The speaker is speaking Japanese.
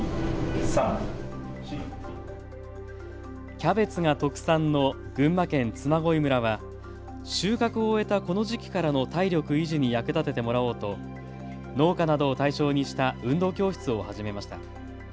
キャベツが特産の群馬県嬬恋村は収穫を終えたこの時期からの体力維持に役立ててもらおうと農家などを対象にした運動教室を始めました。